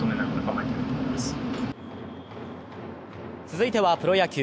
続いてはプロ野球。